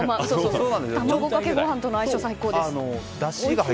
たまごかけご飯との相性が最高です。